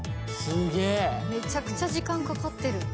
めちゃくちゃ時間かかってる。